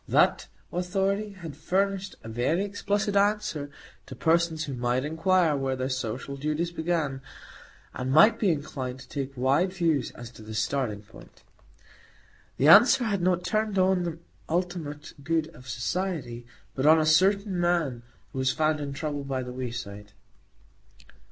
That Authority had furnished a very explicit answer to persons who might inquire where their social duties began, and might be inclined to take wide views as to the starting point. The answer had not turned on the ultimate good of Society, but on "a certain man" who was found in trouble by the wayside.